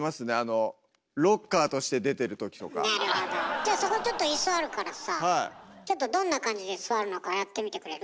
じゃあそこちょっと椅子あるからさちょっとどんな感じで座るのかやってみてくれる？